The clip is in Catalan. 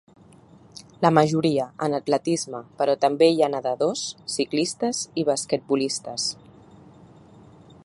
La majoria, en atletisme, però també hi ha nedadors, ciclistes i basquetbolistes.